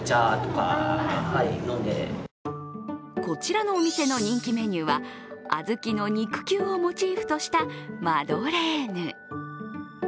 こちらのお店の人気メニューは、あずきの肉球をモチーフとしたマドレーヌ。